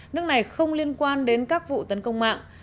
nước này không liên quan đến các vụ tấn công mạng